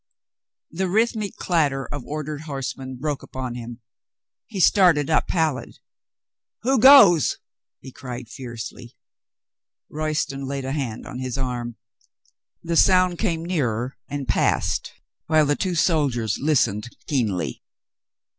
... The rhythmic clatter of ordered horsemen broke upon him. He started up pallid. "Who goes?" he cried fiercely. Royston laid a hand on his arm. The sound came nearer and passed, while the two sol diers listened keenly.